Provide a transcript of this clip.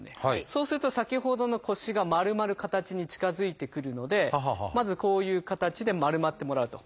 そうすると先ほどの腰が丸まる形に近づいてくるのでまずこういう形で丸まってもらうと。